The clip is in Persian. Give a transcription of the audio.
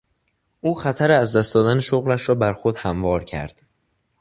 او خطر از دست دادن شغلش را بر خود هموار کرد.